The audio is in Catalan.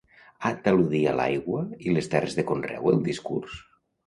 Ha d'al·ludir a l'aigua i les terres de conreu el discurs?